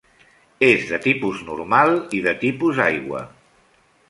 És de tipus normal i de tipus aigua.